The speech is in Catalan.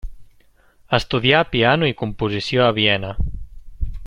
Estudià piano i composició a Viena.